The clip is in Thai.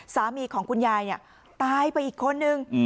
สามีของคุณยายตายไปอีกคนนึง